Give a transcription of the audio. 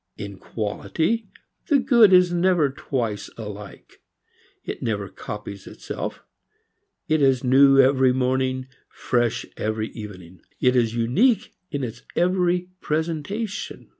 In quality, the good is never twice alike. It never copies itself. It is new every morning, fresh every evening. It is unique in its every presentation.